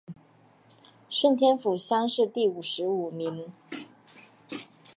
顺天府乡试第五十五名。